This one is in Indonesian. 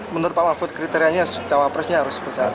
menurut pak mahfud kriterianya sama persnya harus seperti apa